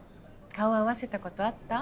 顔合わせたことあった？